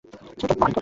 ছেলেটার বাড়ি কোথায়?